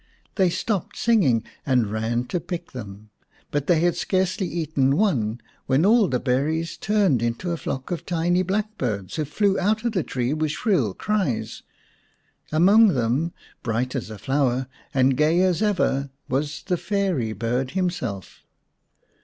They stopped singing and ran to pick them, but they had scarcely eaten one when all the berries turned into a flock of tiny blackbirds, who flew out of the tree with shrill cries. Among them, bright as a flower and gay as ever, was the fairy bird himself.